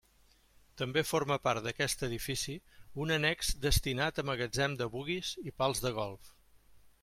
També forma part d'aquest edifici un annex destinat a magatzem de buguis i pals de golf.